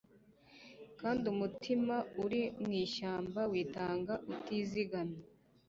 Kandi umutima uri mwishyamba witanga utizigamye